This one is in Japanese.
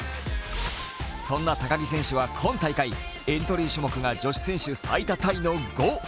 そんな高木選手は今大会、エントリー種目が女子選手最多タイの５。